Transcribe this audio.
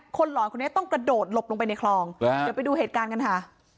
หลอนคนนี้ต้องกระโดดหลบลงไปในคลองเดี๋ยวไปดูเหตุการณ์กันค่ะ